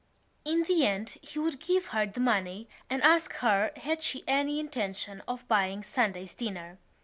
In the end he would give her the money and ask her had she any intention of buying Sunday's dinner.